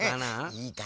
いいかい。